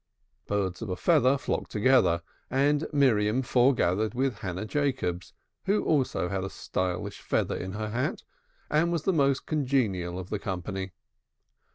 Birds of a feather flock together, and Miriam forgathered with Hannah Jacobs, who also had a stylish feather in her hat, and was the most congenial of the company.